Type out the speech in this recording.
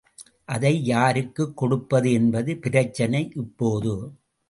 அதை யாருக்குக் கொடுப்பது என்பது பிரச்சனை இப்போது.